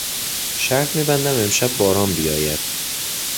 شرط میبندم امشب باران بیاید.